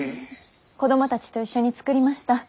子供たちと一緒に作りました。